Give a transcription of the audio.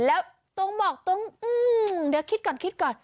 แล้วตรงบอกตรงอืมเดี๋ยวคิดก่อน